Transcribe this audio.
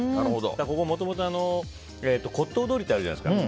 ここはもともと骨董通りってあるじゃないですか。